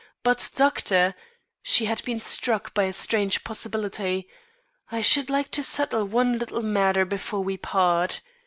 But, doctor " she had been struck by a strange possibility "I should like to settle one little matter before we part.